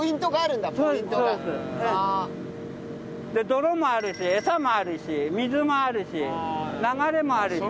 泥もあるしエサもあるし水もあるし流れもあるし。